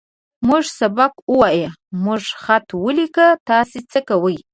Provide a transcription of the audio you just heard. موږ سبق ووايه. موږ خط وليکو. تاسې څۀ کوئ؟